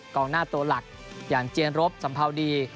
กองหน้าตัวหลักอย่างเจียนรบสัมภาวดี